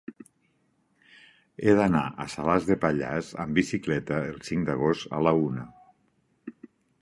He d'anar a Salàs de Pallars amb bicicleta el cinc d'agost a la una.